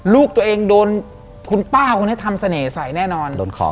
ลูกตัวเองโดนคุณป้าคนนี้ทำเสน่ห์ใส่แน่นอนโดนของ